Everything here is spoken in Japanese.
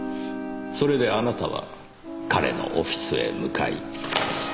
それであなたは彼のオフィスへ向かい。